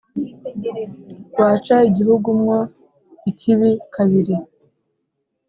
waca igihugu mwo ikibi kabiri